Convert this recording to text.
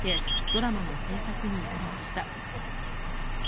ドラマの制作に至りました。